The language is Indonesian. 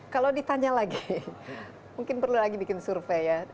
kalau ditanya lagi mungkin perlu lagi bikin survei ya